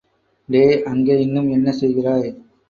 டேய், அங்கே இன்னும் என்ன செய்கிறாய்?